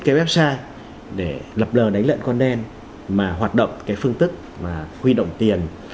cái website để lập lờ đánh lận con đen mà hoạt động cái phương tức mà huy động tiền